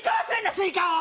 スイカを！